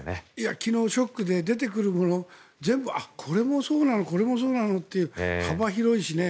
昨日、ショックで出てくるもの全部これもそうなのこれもそうなのという幅広いしね。